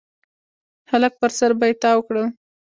د هلک پر سر به يې تاو کړل.